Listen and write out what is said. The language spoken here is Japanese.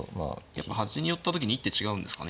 やっぱ端に寄った時に一手違うんですかね